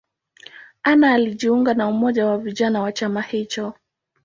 Anna alijiunga na umoja wa vijana wa chama hicho.